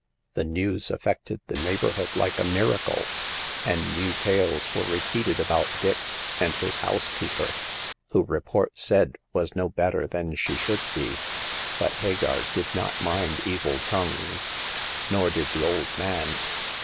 The news affected the neighborhood like a miracle, and new tales were repeated about Dix and his housekeeper, who, report said, was no better than she should be. But Hagar did not mind evil tongues ; nor did the old man.